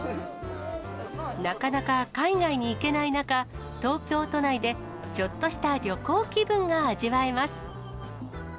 なかなか海外に行けない中、東京都内でちょっとした旅行気分が味わえます。